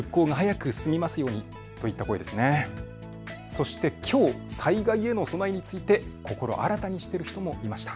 そしてきょう災害への備えについて心新たにしている人もいました。